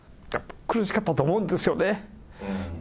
苦しかったと思うんですよね。